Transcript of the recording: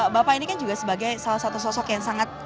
bapak ini kan juga sebagai salah satu sosok yang sangat